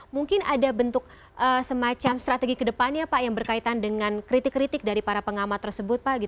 mungkin ada bentuk semacam strategi ke depannya pak yang berkaitan dengan kritik kritik dari para pengamat tersebut pak